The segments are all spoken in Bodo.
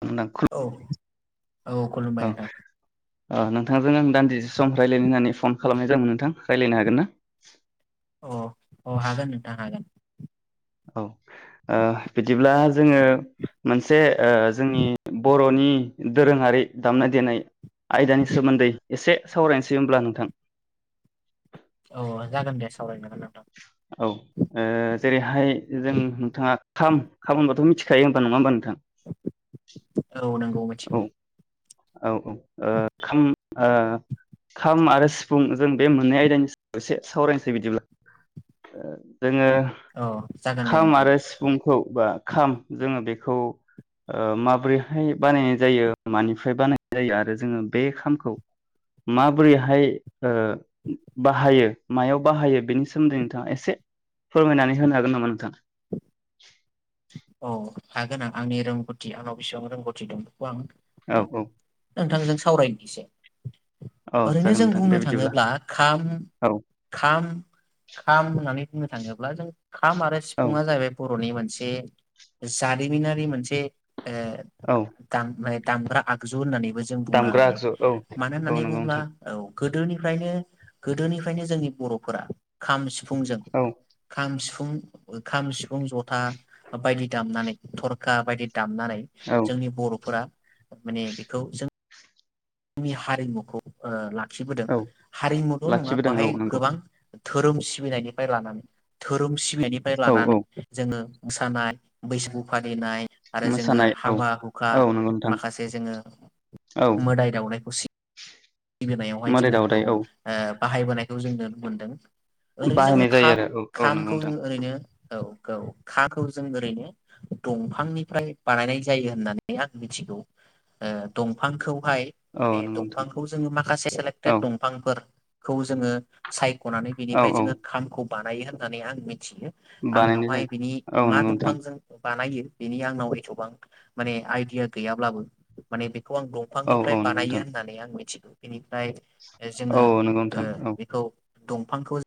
[unintelligible] नों [unintelligible] औ औ खुलुमबाय नोंथां औ नोंथांजों आं दान्दिसे सम रायलायनो होननानै फन खालामनाय जादोंमोन नोंथां रायलायनो हागोन ना? अ अ हागोन नोंथां हागोन। औ ओ बिदिब्ला जोङो मोनसे ओ जोंनि बर'नि दोरोङारि दामनाय देनाय आयदानि सोमोन्दै एसे सावरायनोसै होमब्ला नोंथां अ जागोन दे सावराय जागोन नोंथां औ ओ जेरैहाय जों नोंथाङा खाम खाम होनबाथ' मिथिखायो होनबा नङा होमबा नोंथां औ नंगौ औ मिथिगौ औ औ ओ खाम ओ खाम आरो सिफुं जों बे मोननै आयदानि सायाव एसे सावरायनोसै बिदिब्ला जोङो औ जागोन दे खाम नोंथां आरो सिफुं खौ बा खाम जोङो बेखौ माब्रैहाय बानायनाय जायो मानि फ्राय बानाय जायो आरो जोङो बे खामखौ माबोरैहाय बाहायो मायाव बाहायो बेनि सोमोन्दै नोंथाङा एसे फोरमायनानै होनो हागोन नामा नोंथां औ हागोन आं आंनि रोंगौथि आंनाव बेसेबां रोंगौथि दं आं औ औ नोंथांजों सावरायनि एसे औ ओरैनो जागोन जों नोंथां दे बुंनो बिदिब्ला थाङोब्ला खाम औ खाम खाम होननानै बुंनो थाङोब्ला जों खाम आरो औ सिफुङा जाहैबाय बर'नि मोन बे जारिमिनारि मोनसे बे ए औ [unintelligible] दामग्रा आगजु होननानै जों बुंनो दामग्रा हायो आगजु औ मानो औ होननानै नंगौ बुङोब्ला नोंथां औ गोदोनिफ्रायनो गोदोनिफ्रायनो जोंनि बर'फोरा खाम सिफु फुंजों औ खाम सिफु फुं ओ खाम सिफुं जथा बायदि दामनानै थरखा बायदि दामनानै औ जोंनि बर'फोरा माने बेखौ जों जोंनि हारिमुखौ ओ ला लाखिबोदों औ हारिमुल' नङा लाखिबोदों औ बाहाय नंगौ गोबां धोरोम सिबिनायनिफ्राय लानानै धोरोम सिबिनायनिफ्राय औ औ लानानै जोङो मोसानाय बैसागु फालिनाय आरो जोङो मोसानाय औ हाबा हुखा औ नंगौ नोंथां माखासे जोङो औ मोदाय सि सिगोनायावहाय मोदाय जोङो बेखौ दावदाय औ बाहायबोनायखौ जों नुनो मोन्दों। ओरैनो जोङो बाहायनाय जायो खाम आरो औ औ नंगौ खामखौ जोङ नोंथां ओरैनो औ। औ खाखौ जों ओरैनो दंफांनिफ्राय बानायनाय जायो होननानै आं मिथिगौ दंफांखौ हाय औ माने नंगौ नोंथां दंफां खौ जोङो माखासे औ सेलेक्टेड दंफांफोर खौ जोङो साय गनानै औ बेनिफ्राय औ जोङो खामखौ बानायो होननानै आं मि मिथियो बानायनाय आंनावहाय जायो बिनि औ मा नंगौ नोंथां दंफांजों बानायो बेनि आंनाव एथ'बां माने आइडिया गैयाब्लाबो माने खौ आं औ दंफांनिफ्राय औ नंगौ बानायो नोंथां होननानै आं मि [inaudible] नाथाय औ नंगौ जोङो नोंथां औ बेखौ दंफांखौ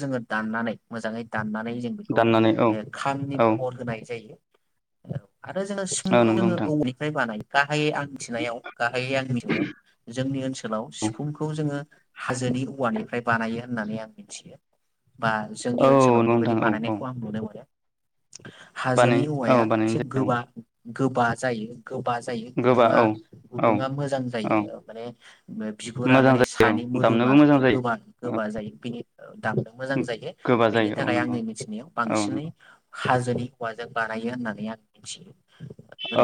जोङो दाननानै मोजाङै दाननानै जों बेखौ दाननानै औ खामनि औ महर होनाय जायो औ। आरो जोङो औ सिुफुंखौ नंगौ जोङो नोंथां औवनिफ्राय बानाय गाहायै आंमिथिनायाव गाहायै आं मिनायाव जोंनि ओनसोलाव औ सिफुंखौ जोङो हाजोनि औवानिफ्राय बानायो होननानै आं मिथियो। बा जोंनि औ ओनसोलाव नंगौ नोंथां बेबायदि औ औ बानायनायखौ आं नुनो मोनो बानाय हाजोनि औ औवाया बानायनाय एसे जायो गोबा औ गोबा जायो। गोबा जायो गोबा गुदुङा औ औ गुदुङा मोजां औ जायो माने बिगुरा मोजां माने जायो सानै औ मोदोमा दामनोबो मोजां जायो गोबा औ गोबा जायो बेनि दामनो मोजां जायो गोबा बेनि जायो औ थाखाय नंगौ आंनि मिथिनायाव औ बांसिनै नंगौ हाजोनि औवाजों बानायो होननानै आं मिथियो।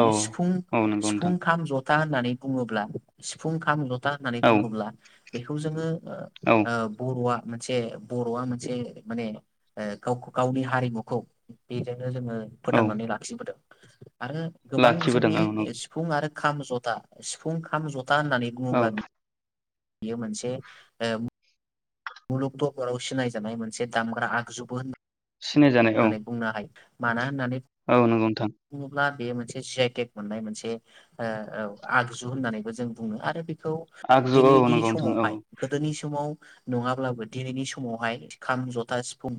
औ सिफुं औ नंगौ सिफुं नोंथां खाम जथा होननानै बुङोब्ला सिफुं खाम था होननानै औ बुङोब्ला बेखौ जोङो औ ओ बर'आ मोनसे बर'आ मोनसे माने गाव गावनि हारिमुखौ बे नो जोङो औ फोथांनानै लाखिबोदों। [inaudible] आरो गोबां लाखिबोदों जोंनि औ नंगौ सिफुं आरो खाम जथा सिफुं खाम ज था होननानै औ बुङोब्ला बियो बियो मोनसे ओम मुलुग दबराव सिनायजानाय मोनसे दामग्रा आगजुबो होन सिनायजानाय औ होननानै बुंनो हायो। माना होननानै औ नंगौ नोंथां बुङोब्ला बेयो मोनसे जि आइ टेक मोननाय मोनसे आगजु होननानैबो जों बुङनो आरो खौ आगजु औ दिनैनि नंगौ नोंथां औ समावहाय गोदोनि समाव नङाब्लाबो दिनैनि समावहाय खाम जथा सिफुं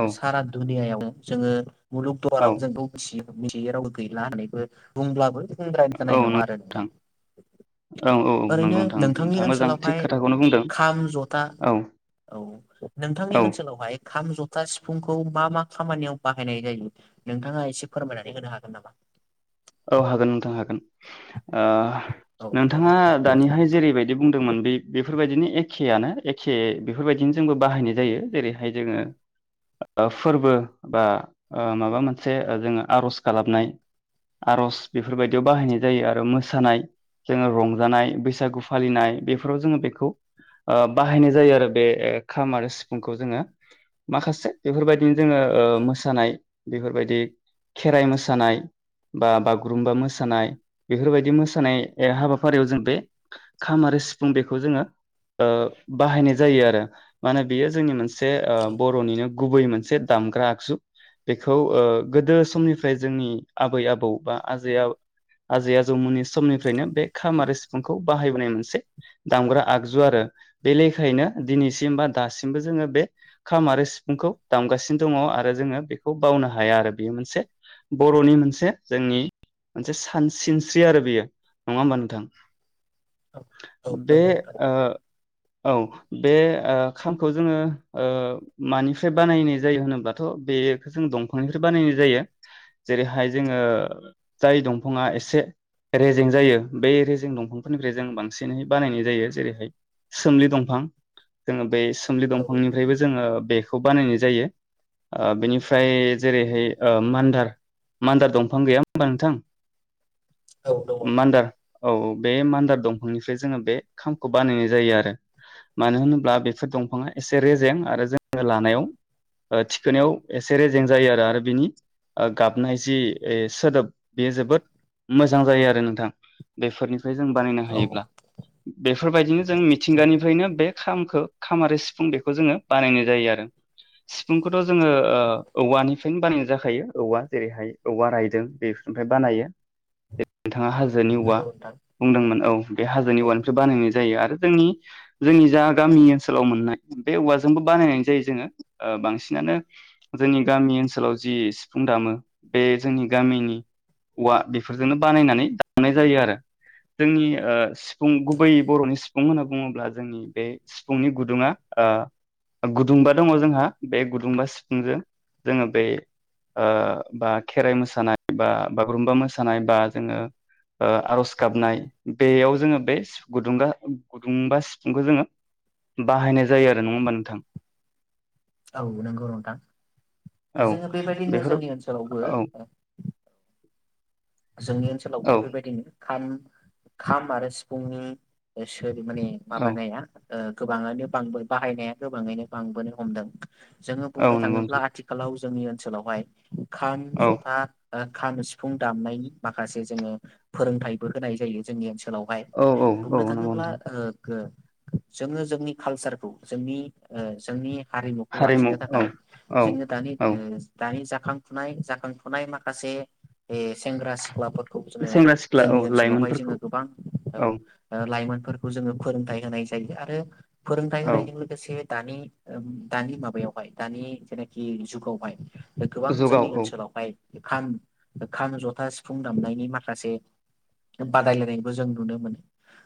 औ सारा दुनियाआव जोङो मुलुग औ दुवाराव जोंखौ मिथियो। मिथियै रावबो गैला होननानैबो बुंब्लाबो बुंद्रायनाय औ जानाय नङा नंगौ आरो नोंथां औ औ ओरैनो नंगौ नोंथां नोंथांनि नोंथाङा मोजां थिग ओनसोलावहाय खोथाखौनो बुंदों खाम जथा औ औ नोंथांनि औ ओनसोलावहाय खाम जथ था सिफुंखौ मा मा खामानियाव बाहायनाय जायो नोंथाङा एसे फोरमायनानै होनो हागोन नामा? औ हागोन नोंथां हागोन। ओ औ दे ना नोंथाङा दानिहाय जेरैबायदि बुंदोंमोन बे बेफ बेफोरबायदिनो एखेयानो एखे बेफोरबायदिनो जोंबो बाहायनाय जायो जेरैहाय जोङो ओ फोरबो ओ बा माबा मोनसे जोङो आरज खालामनाय आर'ज बेफोरबायदियाव बाहायनाय जायो आरो मोसानाय जोङो रंजानाय बैसागु फालिनाय बेफोराव जोङो ओ बेखौ बाहायनाय जायो आरो बे खाम आरो सिफुंखौ जोङो माखासे बेफोरबायदिनो जोङो ओ मोसानाय बेफोरबायदि खेराइ मोसानाय। बा बागुरुम्बा मोसानाय बेफोरबायदि मोसानाय हाबाफारियाव जों बे खाम आरो सिफुं बेखौ जोङो ओ बाहायनाय जायो आरो मानो बेयो जोंनि मोनसे से औ बर'निनो गुबै मोनसे दामग्रा आगजु बेखौ ओ गोदो समनिफ्राय जोंनि गु आबै आबौ बा आजै आ आजै आजौमोननि समनिफ्रायनो बे खाम आरो सिफुंखौ बाहायबोनाय मोनसे दामग्रा आगजु आरो बे लेखायैनो दिनैसिम बा दासिमबो जोङो बे खाम आरो सिफुंखौ दामगासिनो दङ आरो जोङो बेखौ बावनो हाया आरो बेयो मोनसे बर'नि मोन मोनसे जोंनि मोनसे सान सिनस्रि आरो बेयो नङा होमबा नोंथां? औ बे नंगौ नोंथां ओ औ बे ओ खामखौ जोङो ओ मानिफ्राय बानायनाय जायो होनोबाथ' बेयो जों दंफांनिफ्राय बानायनाय जायो जेरैहाय जोङो जाय दंफाङा एसे रेजें जायो बे रेजें दंफांफोरनिफ्राय जों बांसिनै बानायनाय जायो जेरैहाय सोमलि दंफां जोङो बे सो सोमलि औ दंफांनिफ्रायबो जोङो बेखौ बानायनाय जायो ओ बेनिफ्राय जेरैहाय ओ मान्दार मान्दार दंफां गैया होमबा नोंथां? औ दङ नोंथां। औ औ बे मान्दार दंफांनिफ्राय जोङो बे खामखौ बानायनाय जायो आरो मानो होनोब्ला बेफोर दंफाङा एसे रेजें आरो जोङो लानायाव ओ थिखोनायाव एसे रेजें जायो आरो आरो बिनि गाब नाय जि ओइ सोदोब बेयो जोबोद मोजां जायो आरो नोंथां बेफोरनि फ्राय जों बानायनो औ हायोब्ला बेफोरबायदिनो जों औ नंगौ मिथिंगानिफ्रायनो बे खामखो खाम आरो सिफुं बेखो जोङो बानायनाय जायो आरो सिफुंखोथ' जोङो ओ औवानिफ्रायनो बानायनाय जाखायो औवा। जेरैहाय औवा रायदों बेफोरनिफ्राय बानायो [unintelligible] [unintelligible] हाजोनि औवा नंगौ नोंथां बुंदोंमोन औ बे हाजोनि औ औवानिफ्राय बानायनाय जायो आरो जोंनि जोंनि जा गामि ओनसोलाव मोननाय बे औवाजोंबो बानायनाय जायो जोङो बांसिनानो जोंनि गामि ओनसोलाव जि सिफुं दामो बे जोंनि गामिनि औवा बेफोरजोंनो बानायनानै दामनाय जायो आरो जोंनि ओ सिफुं गुबै बर'नि सिफुं होनना बुङोब्ला जोंनि बे सिफुंनि गुदुङा ओ गुदुंबा दङ जोंहा बे गुदुंबा सिफुंजों जोङो बे ओ बा खेराइ मोसानाय बा बागुरुम्बा मोसानाय बा जोङो ओ आरज गाबनाय बेयाव जोङो बे सिफ गुदुंगा गुदुंबा सिफुंखौ जोङो बाहायनाय जायो आरो नङा होमबा नोंथां? औ नंगौ नोंथां औ दा जोङो बेबायदिनो बेफोर जोंनि ओनसोलाव बो औ जोंनि ओनसोलावबो औ बेबायदिनो खाम खाम आरो सिफुंनि बायदि माने औ माबानाया ओ गोबाङानो बांबो बाहायनाया गोबाङैनो बांबोनो हमदों। जोङो औ बुंनो नंगौ थाङोब्ला नोंथां आथिखालाव जोंनि ओनसोलावहाय खाम औ ज'था ओ खाम सिफुं दामनायनि माखासे जोङो फोरोंथाइबो होनाय जायो जोंनि ओनसो लावहाय औ औ औ बुंनो नंगौ थाङोब्ला नोंथां ओ [unintelligible] जोङो जोंनि कालसारखौ जोंनि ओ जोंनि हारिमुखौ हारिमु लाखिनो औ थाखाय औ जोङो दानि औ ओ दानि जा खांफुनाय जाखांफुनाय माखासे एस सेंग्रा सिख्लाफोर खौ जोङो सेंग्रा सिख्ला औ जोंनि ओनसोलावहाय जोङो लाइमोनफोरखौ गोबां औ ओ लाइमोन फोरखौ जोङो फोरोंथाय होनाय जायो आरो फोरोंथाय औ होनायजों लोगोसे दानि ओम दानि माबायावहाय दानि जेनाखि जुगावहाय गोबां जुगाव जोंनि औ ओनसोलावहाय खाम ओ खाम ज' था, सिफुं दामनायनि माखासे बादायलायनायबो जों नुनो मोनो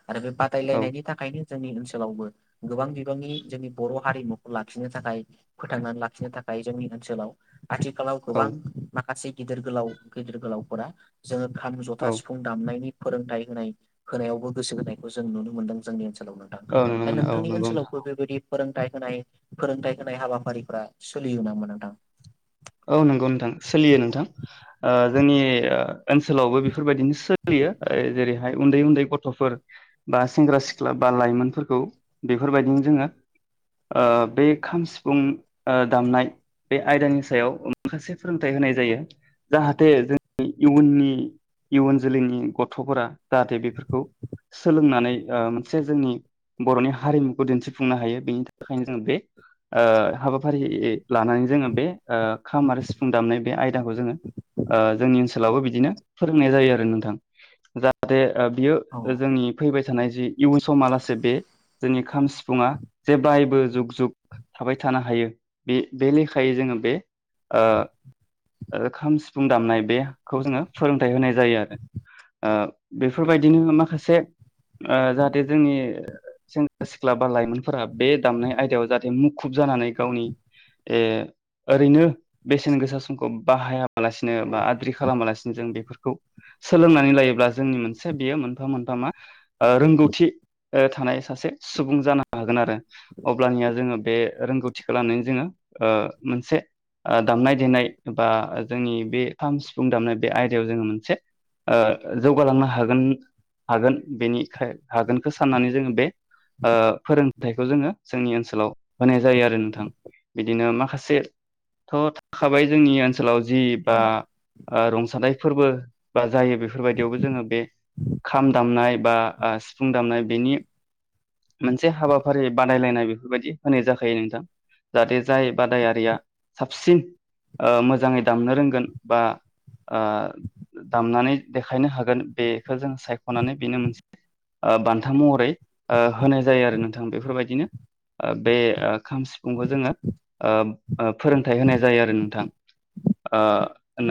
आरो बे औ बादायलायनायनि थाखायनो जोंनि ओनसोलावबो गोबां बिबांनि जोंनि बर' हारिमुखौ लाखिनो थाखाय फोथांनानै लाखिनो थाखाय जोंनि ओनसोलाव आथिखालाव औ गोबां माखा गासै गिदिर गोलाव गिदिर गोलाव फोरा जोङो खाम, जथा, औ सिफुं दामनायनि फोरोंथाइ होनाय होनायावबो गोसो होनायखौ जों नुनो मोनदों जोंनि ओनसो औ नुनो मोनो औ नंगौ नोंथां फोरोंथाय होनाय फोरोंथाय होनाय हाबाफारिफोरा सोलिय नामोन नोंथां? औ नंगौ नोंथां सोलियो नोंथां ओ जोंनि ओनसोलावबो बेफोरबायदिनो सोलियो ओ जेरैहाय उन्दै उन्दै गथफोर बा सेंग्रा सिख्ला बा लाइमोनफोरखौ बेफोरबायदिनो जोङो ओ बे खाम, सिफुं ओ दामनाय बे आयदानि सायाव अ माखासे फोरोंथाइ होनाय जायो। जाहाथे जों इयुननि इयुन जोलैनि गथफोरा जाहाथे बेफोरखौ सोलोंनानै ओ मोनसे जोंनि बर'नि हारिमुखौ दिन्थिफुंनो हायो। बेनि थाखायनो जों बे ओ हाबाफारि लानानै जोङो बे ओ खाम आरो सिफुं दामनाय बे आयदाखौ जोङो ओ जोंनि ओनसोलावबो बिदिनो फोरोंनाय जायो। आरो नोंथां जाहाथे ओ बियो औ जोंनि फैबाय थानाय जि इउन समालासे बे जोंनि खाम, सिफुङा जेब्लायबो जुग जुग थाबाय थानो हायो बे बे लेखायै जोङो बे ओ ओ खाम, सिफुं दामनाय बेखौ जोङो फोरोंथाइ होनाय जायो आरो ओ बेफोरबायदिनो माखासे ओ जाहाथे जोंनि सेंग्रा सिख्ला बा लाइमोनफोरा बे दामनाय आयदायाव जाहाथे मुखुब जानानै गावनि ओ ओरैनो बेसेन गोसा समखौ बाहायाबालासिनो बा आद्रि खालामालासिनो जों बेफोरखौ सोलोंनानै लायोब्ला जोंनि मोनसे बेयो मोनफा मोनफा मा रोंगौथि थानाय सासे सुबुं जानो हागोन आरो अब्लानिया जोङो बे रोंगौथिखौ लानानै जोङो ओ मोनसे ओ दामनाय देनाय बा जोंनि बे खाम, सिफुं दामनाय बे आयदायाव जोङो मोनसे ओ जौगालांनो हागोन हागोन बेनिखाय हागोनखौ साननानै जोङो बे ओ फोरोंथाइखौ जोङो जोंनि ओनसोलाव होनाय जायो आरो नोंथां बिदिनो माखासे थ थाखाबाय जोंनि ओनस सोलाव जि औ बा ओ रंसानायाइ फोरबो बा जायो बेफोरबायदियावबो जोङो बे खाम दामनाय बा सिफुं दामनाय बेनि मोनसे हाबाफारि बादायलायनाय बेफोरबायदि होनाय जाखायो नोंथां जाहाथे जाय बादायारिया साबसिन मोजाङै दामनो रोंगोन बा ओ दामनानै देखायनो हागोन बेखौ जों सायखनानै बेनो मोनसे ओ बान्था महरै ओ होनाय जायो आरो नोंथां बेफोरबायदिनो बे ओ खाम सिफुंखौ जोङो ओ ओ फोरोंथाइ होनाय जायो आरो नोंथां ओ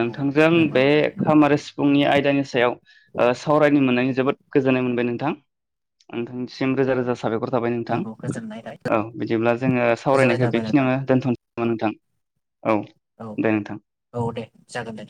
औ नंगौ बे नोंथां खामा आरो सिफुंनि आयदानि सायाव सावरायनो मोननायनि जोबोद गोजोननाय मोनबाय नोंथां नोंथांनिसिम रोजा रोजा साबायखर थाबाय नोंथां नंगौ गोजोननाय औ बिदिब्ला जोङो गोजोननाय सावरायनायखौ थाबाय नोंथां बेखिनियावनो दोनथसै नोंथां। औ नोंथां औ दे जागोन दे।